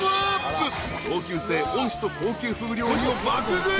［同級生恩師と高級ふぐ料理を爆食い］